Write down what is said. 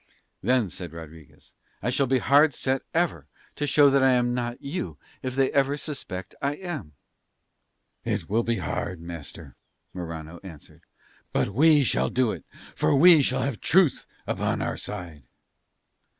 "Then," said Rodriguez, "I shall be hard set ever to show that I am not you if they ever suspect I am." "It will be hard, master," Morano answered; "but we shall do it, for we shall have truth upon our side."